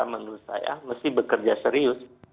menurut saya mesti bekerja serius